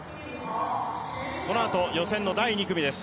このあと、予選の第２組です。